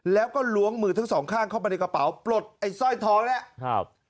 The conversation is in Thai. แล้วก็ล้วงมือทั้งสองข้างเข้าไปในกระเป๋าปลดสร้อยท้อง